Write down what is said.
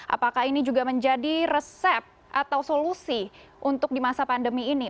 apakah ini juga menjadi resep atau solusi untuk di masa pandemi ini